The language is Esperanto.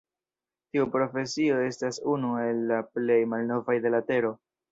Tiu profesio estas unu el la plej malnovaj de la tero.